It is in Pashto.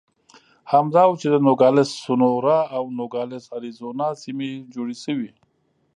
همدا و چې د نوګالس سونورا او نوګالس اریزونا سیمې جوړې شوې.